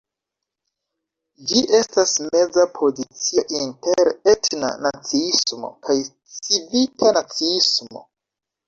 Ĝi estas meza pozicio inter etna naciismo kaj civita naciismo.